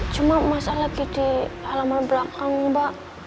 cuma mas al lagi di halaman belakang mbak